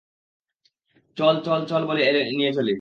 চল, চল, চল বলে নিয়ে এলি।